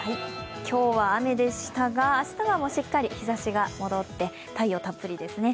今日は雨でしたが、明日はしっかり日ざしが戻って太陽たっぷりですね。